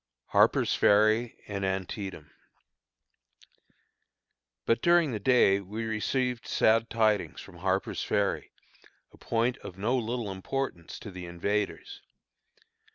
HARPER'S FERRY AND ANTIETAM. But during the day we have received sad tidings from Harper's Ferry, a point of no little importance to the invaders.